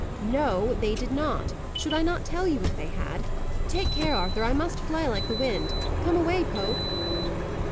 "No, they did not. Should I not tell you if they had? Take care, Arthur. I must fly like the wind. Come away, Pope!"